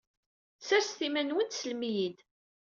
Sserset iman-nwen teslem-iyi-d.